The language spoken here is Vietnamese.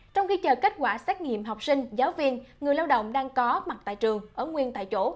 trong khi chờ kết quả xét nghiệm học sinh giáo viên người lao động đang có mặt tại trường ở nguyên tại chỗ